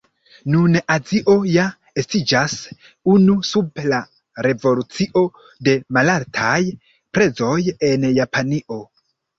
Nun Azio ja estiĝas unu sub la revolucio de malaltaj prezoj en Japanio.